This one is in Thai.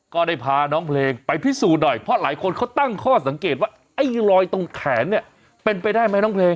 ก็ได้พาน้องเพลงไปพิสูจน์หน่อยเพราะหลายคนเขาตั้งข้อสังเกตว่าไอ้รอยตรงแขนเนี่ยเป็นไปได้ไหมน้องเพลง